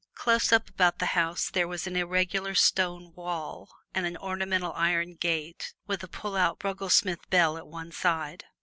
Close up about the house there was an irregular stone wall and an ornamental iron gate with a pull out Brugglesmith bell at one side.